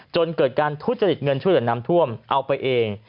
จนเกิดการทุจริตเงินช่วยเหลือนำท่วมเอาไปเอง